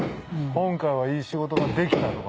今回はいい仕事ができたとか？